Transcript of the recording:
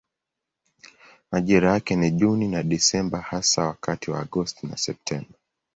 Majira yake ni Juni na Desemba hasa wakati wa Agosti na Septemba.